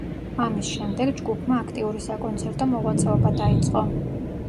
ამის შემდეგ ჯგუფმა აქტიური საკონცერტო მოღვაწეობა დაიწყო.